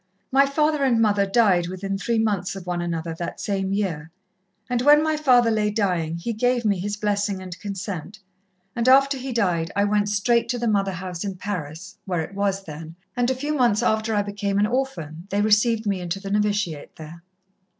My father and mother died within three months of one another that same year, and when my father lay dying, he gave me his blessing and consent, and after he died I went straight to the Mother house in Paris, where it was then, and a few months after I became an orphan they received me into the novitiate there."